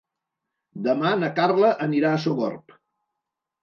Demà na Carla anirà a Sogorb.